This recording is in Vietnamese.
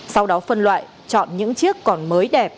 sau đó phân loại chọn những chiếc còn mới đẹp